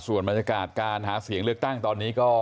ส่วนบรรยากาศการหาเสียงเลือกตั้งตอนนี้ก็